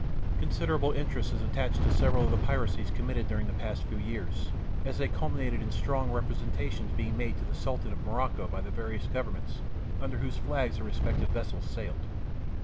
Considerable interest is attached to several of the piracies committed during the past few years, as they culminated in strong representations being made to the Sultan of Morocco by the various Governments under whose flag the respective vessels sailed.